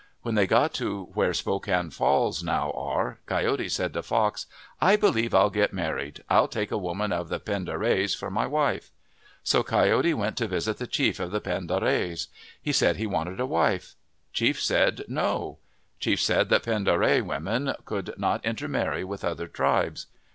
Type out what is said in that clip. When they got to where Spokane Falls now are, Coyote said to Fox :" I believe I '11 get married. I '11 take a woman of the Pend d'Oreilles for my wife." So Coyote went to visit the chief of the Pend d'Oreilles. He said he wanted a wife. Chief said, " No/' Chief said that Pend d'Oreille women could not intermarry with other tribes.